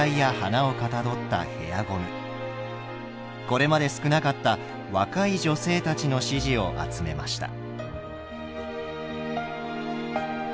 これまで少なかった若い女性たちの支持を集めました。